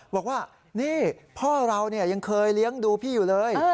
บอกว่านี่พ่อเรายังเคยเลี้ยงดูพี่อยู่เลย